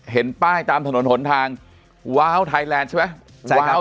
เห็นป้ายตามถนนหนทางว้าวไทยแลนด์ใช่ไหมว้าว